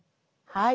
はい。